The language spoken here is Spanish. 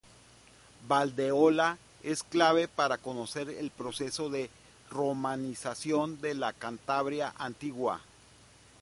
Valdeolea es clave para conocer el proceso de romanización de la Cantabria antigua.